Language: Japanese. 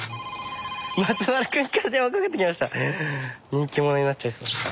人気者になっちゃいそう。